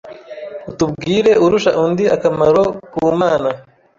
utubwire urusha undi akamaro kumana